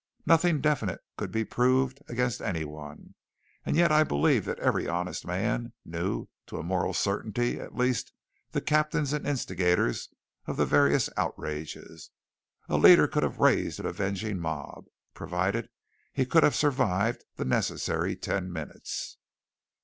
Nothing definite could be proved against any one, and yet I believe that every honest man knew to a moral certainty at least the captains and instigators of the various outrages. A leader could have raised an avenging mob provided he could have survived the necessary ten minutes!